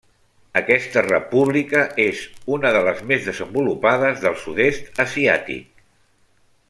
Aquesta república és una de les més desenvolupades del sud-est asiàtic.